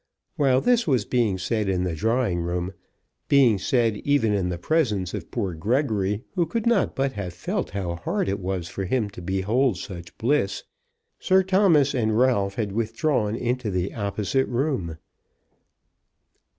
While this was being said in the drawing room, being said even in the presence of poor Gregory, who could not but have felt how hard it was for him to behold such bliss, Sir Thomas and Ralph had withdrawn into the opposite room.